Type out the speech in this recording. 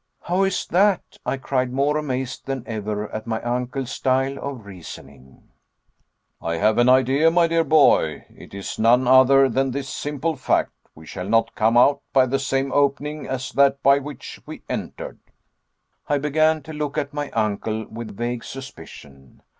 "How is that?" I cried, more amazed than ever at my uncle's style of reasoning. "I have an idea, my dear boy; it is none other than this simple fact; we shall not come out by the same opening as that by which we entered." I began to look at my uncle with vague suspicion.